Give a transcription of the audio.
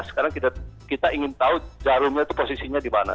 sekarang kita ingin tahu jarumnya itu posisinya di mana